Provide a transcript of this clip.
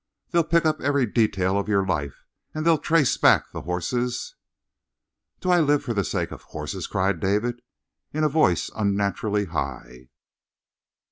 They'll pick up every detail of your life, and they'll trace back the horses " "Do I live for the sake of a horse?" cried David, in a voice unnaturally high.